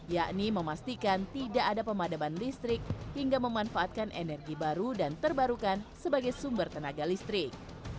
yakni memastikan tidak ada pemadaban listrik hingga memanfaatkan energi baru dan terbarukan sebagai sumber tenaga listrik